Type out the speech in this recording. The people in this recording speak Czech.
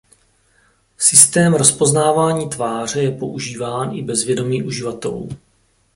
Systém rozpoznávání tváře je používán i bez vědomí uživatelů.